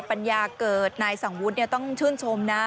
พันยาเกิดในสังวุฒิเก่งต้องชื่นชมนะ